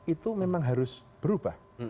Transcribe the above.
itu memang harus berubah